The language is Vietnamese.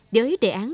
với đề án